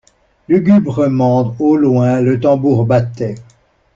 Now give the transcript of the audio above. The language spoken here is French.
Lugubrement, au loin, le tambour battait.